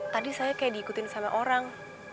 tadi saya kayak diikutin sama orang